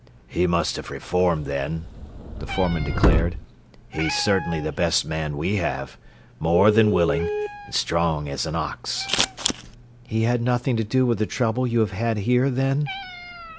"He must have reformed, then," the foreman declared. "He's certainly the best man we have more than willing, and strong as an ox." "He had nothing to do with the trouble you have had here, then?"